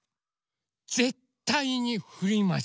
ぜったいにふります。